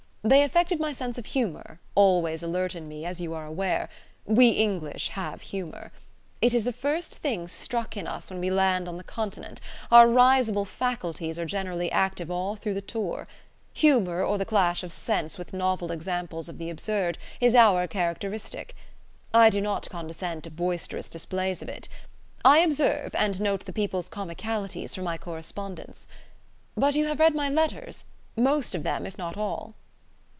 They affected my sense of humour, always alert in me, as you are aware. We English have humour. It is the first thing struck in us when we land on the Continent: our risible faculties are generally active all through the tour. Humour, or the clash of sense with novel examples of the absurd, is our characteristic. I do not condescend to boisterous displays of it. I observe, and note the people's comicalities for my correspondence. But you have read my letters most of them, if not all?"